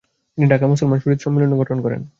তিনি ঢাকা মুসলমান সুহৃদ সম্মিলনি গঠন করেন।